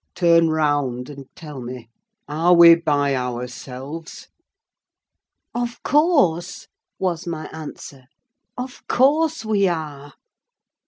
"Turn round, and tell me, are we by ourselves?" "Of course," was my answer; "of course we are."